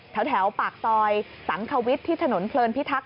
แถวปากซอยสังควิทย์ที่ถนนเพลินพิทักษ